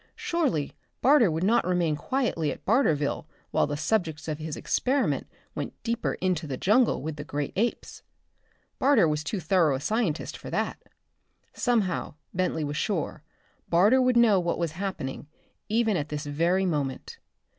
Surely Barter would not remain quietly at Barterville while the subjects of his experiment went deeper into the jungle with the great apes. Barter was too thorough a scientist for that. Somehow, Bentley was sure, Barter would know what was happening, even at this very moment.